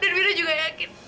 dan vino juga yakin